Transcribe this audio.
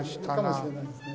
かもしれないですね。